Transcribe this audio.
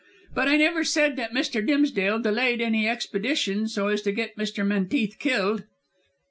But I never said that Mr. Dimsdale delayed any expedition so as to get Mr. Menteith killed."